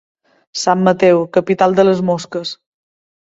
Sant Mateu, capital de les mosques.